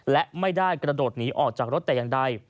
และไม่ได้กระโดดหนีออกจากรถแต่อย่างใด